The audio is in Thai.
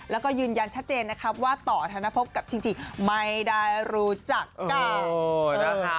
แล้วก็ยืนยันชัดเจนนะครับว่าต่อธนภพกับชิงจิไม่ได้รู้จักกันนะคะ